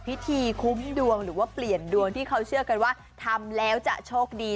พิธีคุ้มดวงหรือว่าเปลี่ยนดวงที่เขาเชื่อกันว่าทำแล้วจะโชคดี